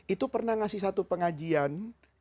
itu pernah ngasih satu pengajian